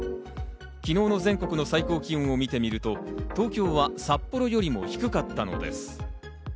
昨日の全国の最高気温を見てみると東京は札幌よりも低かったのです。